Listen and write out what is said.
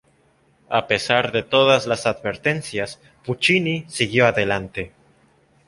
A pesar de todas las advertencias, Puccini siguió adelante.